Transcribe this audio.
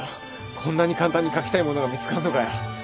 こんなに簡単に書きたいものが見つかんのかよ。